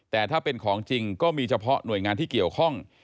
แต่ถ้าเป็นของจริงก็มีเฉพาะหน่วยงานที่เกี่ยวข้อง